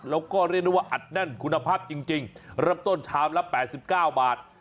แล้วก็เรียกได้ว่าอัดแน่นคุณภาพจริงเริ่มต้นชามละ๘๙บาท